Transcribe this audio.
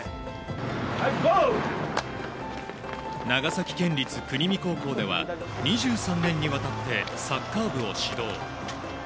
長崎県立国見高校では２３年にわたってサッカー部を指導。